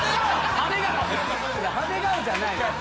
派手顔じゃないのよ。